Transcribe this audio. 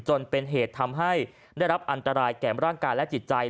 จนเป็นเหตุทำให้ได้รับอันตรายแก่ร่างกายและจิตใจ